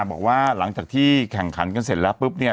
บอกว่าหลังจากที่แข่งขันกันเสร็จแล้วปุ๊บเนี่ย